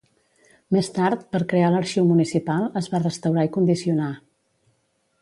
Més tard, per crear l'Arxiu Municipal, es va restaurar i condicionar.